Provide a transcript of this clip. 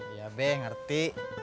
iya be ngerti